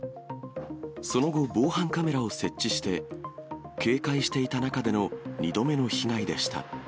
その後、防犯カメラを設置して、警戒していた中での２度目の被害でした。